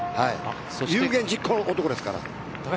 有言実行の男です。